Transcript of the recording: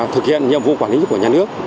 thực hiện nhiệm vụ quản lý của nhà nước